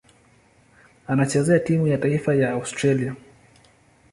Anachezea timu ya taifa ya Australia.